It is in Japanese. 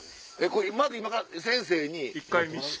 まず今から先生に？